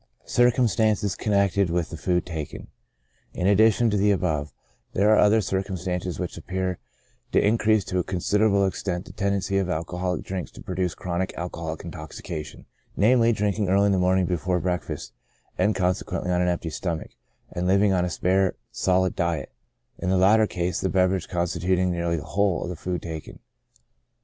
Circumstances connected with the Food taken. — In addition to the above, there are other circumstances which appear to increase to a considerable extent the tendency of alcoholic drinks to produce chronic alcoholic intoxication, namely, drinking early in the morning before breakfast, and con sequently on an empty stomach, and living on a spare solid diet ; in the latter case, the beverage constituting nearly the whole of the food taken.